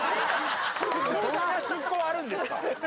そんな出向あるんですか？